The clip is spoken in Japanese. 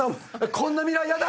こんな未来ヤダ！